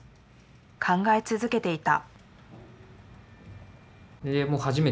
考え続けていた。